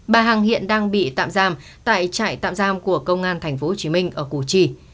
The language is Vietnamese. bà hằng hiện đang bị tạm giam tại trại tạm giam của công an tp hcm ở củ chi